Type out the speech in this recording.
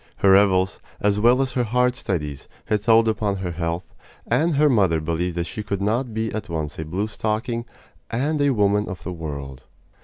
Her revels, as well as her hard studies, had told upon her health, and her mother believed that she could not be at once a blue stocking and a woman of the world.